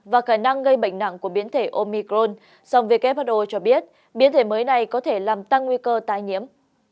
và khả năng gây bệnh nặng của biến thể omicron song who cho biết biến thể mới này có thể làm tăng nguy cơ tai nhiễm